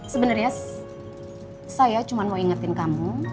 sebenernya saya cuma mau ingetin kamu